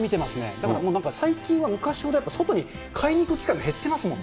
だからもう、なんか最近は昔ほどやっぱ外に買いに行く機会が減ってますもん。